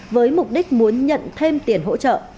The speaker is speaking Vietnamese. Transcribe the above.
với mục đích muốn nhận thêm tiền hỗ trợ